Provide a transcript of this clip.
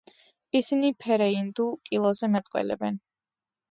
ისინი ფერეიდნულ კილოზე მეტყველებენ.